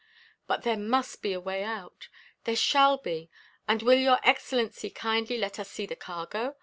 But there must be a way out. There shall be! And will your excellency kindly let us see the cargo?